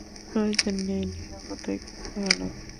প্রয়োজন নেই, নিরবতাই খুব ভালো।